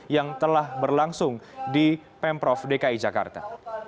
yang telah berlangsung di pemprov dki jakarta